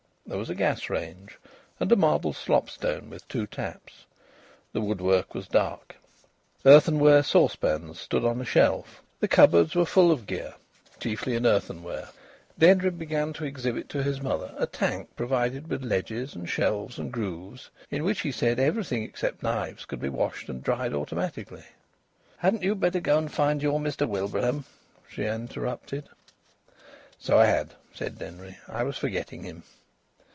There was a gas range and a marble slopstone with two taps. The woodwork was dark. Earthenware saucepans stood on a shelf. The cupboards were full of gear chiefly in earthenware. Denry began to exhibit to his mother a tank provided with ledges and shelves and grooves, in which he said that everything except knives could be washed and dried automatically. "Hadn't you better go and find your Mr Wilbraham?" she interrupted. "So I had," said Denry; "I was forgetting him."